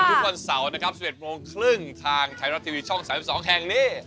ทุกวันเสาร์๑๑๓๐ทางไทยรักษณ์ทีวีช่อง๓๒แห่งนี้